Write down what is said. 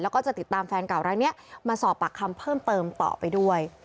แล้วก็จะติดตามแฟนเก่ารายนี้มาสอบปากคำเพิ่มเติมต่อไปด้วย